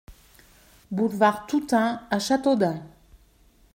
Boulevard Toutain à Châteaudun